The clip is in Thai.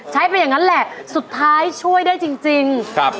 ไปอย่างนั้นแหละสุดท้ายช่วยได้จริงจริงครับ